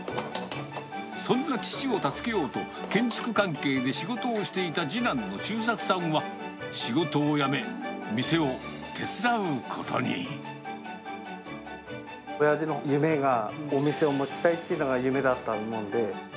そんな父を助けようと、建築関係で仕事をしていた次男の周作さんは、仕事を辞め、おやじの夢が、お店を持ちたいっていうのが夢だったもんで。